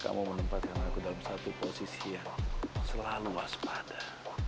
kamu menempatkan aku dalam satu posisi yang selalu waspada